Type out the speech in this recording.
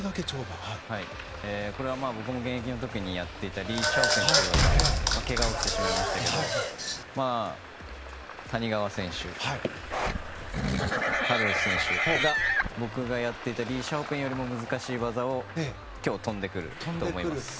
これは、僕も現役の時にやっていたリ・シャオペンという技でけがをしてしまいましたが谷川選手、カルロス選手が僕がやっていたリ・シャオペンよりも難しい技を今日、跳んでくると思います。